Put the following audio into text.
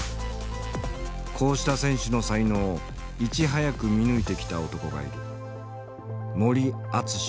こうした選手の才能をいち早く見抜いてきた男がいる。